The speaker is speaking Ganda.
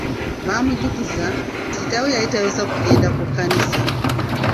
Baamujjukiza nti kitaawe yali tayosa kugenda ku kkanisa.